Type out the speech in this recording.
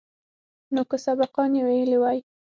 نو که سبقان يې ويلي واى.